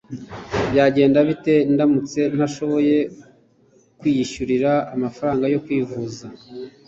byagenda bite ndamutse ntashoboye kwiyishyurira amafaranga yo kwivuza